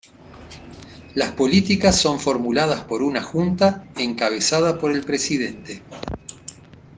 Las políticas son formuladas por una Junta, encabezada por el Presidente.